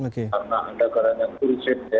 karena ada keadaan yang kursif